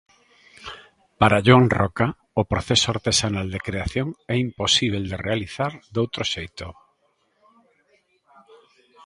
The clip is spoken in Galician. Para Joan Roca o proceso "artesanal" de creación é imposíbel de realizar doutro xeito.